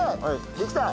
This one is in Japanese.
できた。